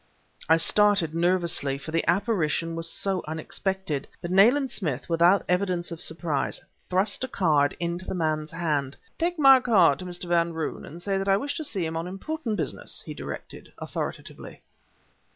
I started nervously, for the apparition was so unexpected, but Nayland Smith, without evidence of surprise, thrust a card into the man's hand. "Take my card to Mr. Van Roon, and say that I wish to see him on important business," he directed, authoritatively.